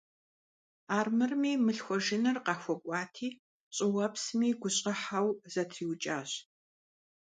Армырми мылъхуэжыныр къахуэкӀуати, щӀыуэпсми гущӀыхьэу зэтриукӀащ.